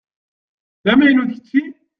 D amaynut kečči?